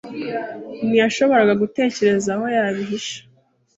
Ntiyashoboraga gutekereza aho yabihisha.